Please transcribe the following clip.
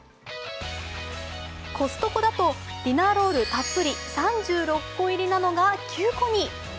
コストコだと、ディナーロールたっぷり３６個入りなのが９個に。